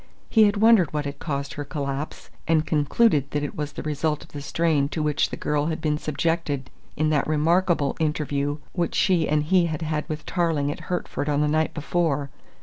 He had wondered what had caused her collapse, and concluded that it was the result of the strain to which the girl had been subjected in that remarkable interview which she and he had had with Tarling at Hertford on the night before.